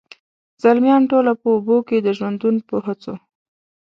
زلمیان ټوله په اوبو کي د ژوندون په هڅو،